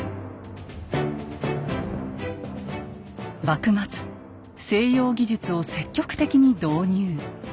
幕末西洋技術を積極的に導入。